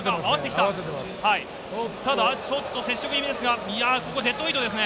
ただちょっと接触気味ですが、デッドヒートですね。